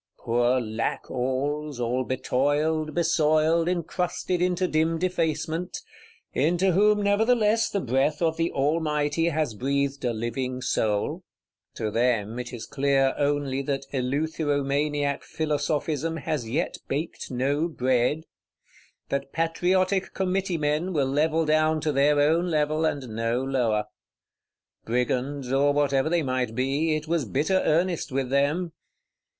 Poor Lackalls, all betoiled, besoiled, encrusted into dim defacement; into whom nevertheless the breath of the Almighty has breathed a living soul! To them it is clear only that eleutheromaniac Philosophism has yet baked no bread; that Patrioti Committee men will level down to their own level, and no lower. Brigands, or whatever they might be, it was bitter earnest with them.